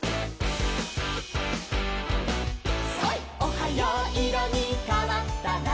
「おはよういろにかわったら」